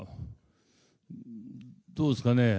どうですかね。